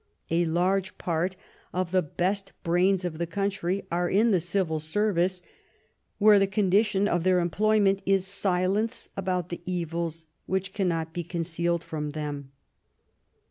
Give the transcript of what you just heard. A large part of the best brains of the country are in the civil service, where the condition of their employment is silence about the evils which cannot be concealed from them.